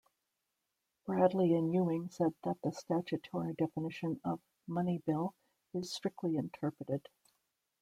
Bradley and Ewing said that the statutory definition of Money Bill is "strictly interpreted".